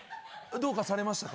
どうかされましたか？